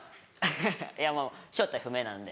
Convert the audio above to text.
いや正体不明なんで。